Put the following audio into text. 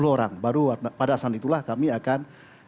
empat puluh orang baru pada saat itulah kami akan